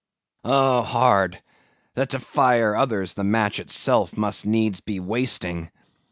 Oh, hard! that to fire others, the match itself must needs be wasting!